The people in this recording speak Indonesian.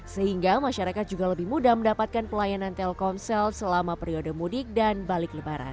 sehingga masyarakat juga lebih mudah mendapatkan pelayanan telkomsel selama periode mudik dan balik lebaran